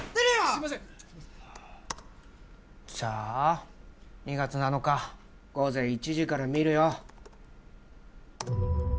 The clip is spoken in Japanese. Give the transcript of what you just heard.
すいませんじゃあ２月７日午前１時から見るよ